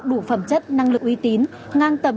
đủ phẩm chất năng lực uy tín ngang tầm